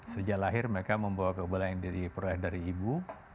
sejak lahir mereka membawa kebala yang diperoleh dari ibu